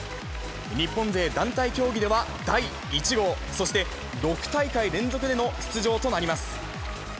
日本勢団体競技では第１号、そして６大会連続での出場となります。